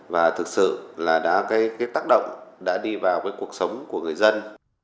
và thực sự là đã cái tác động đã đi vào với cuộc sống của người dân